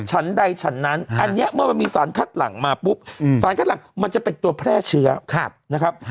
ฉันใดฉันนั้นอันนี้เมื่อมันมีสารคัดหลังมาปุ๊บสารคัดหลังมันจะเป็นตัวแพร่เชื้อนะครับ